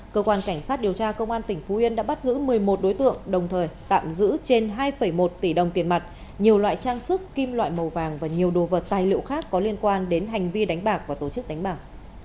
cơ quan cảnh sát điều tra công an tỉnh phú yên đã bắt giữ một mươi một đối tượng đồng thời tạm giữ trên hai một tỷ đồng tiền mặt nhiều loại trang sức kim loại màu vàng và nhiều đồ vật tài liệu khác có liên quan đến hành vi đánh bạc và tổ chức đánh bạc